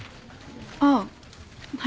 ああはい。